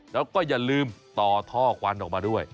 แล้วก็อย่าลืมต่อท่อควันออกมาด้วย